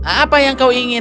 apa yang kau inginkan